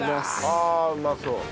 ああうまそう。